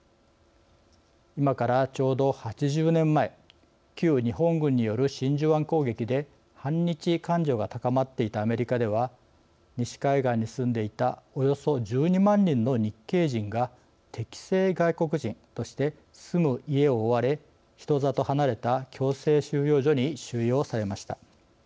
今からちょうど８０年前旧日本軍による真珠湾攻撃で反日感情が高まっていたアメリカでは西海岸に住んでいたおよそ１２万人の日系人が敵性外国人として住む家を追われ人里離れた強制収容所に収容されました。